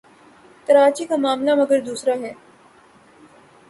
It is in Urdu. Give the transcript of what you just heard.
کراچی کا معاملہ مگر دوسرا ہے۔